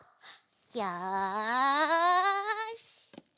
よし！